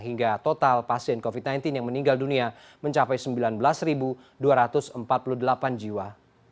hingga total pasien covid sembilan belas yang meninggal dunia mencapai sembilan belas dua ratus empat puluh delapan jiwa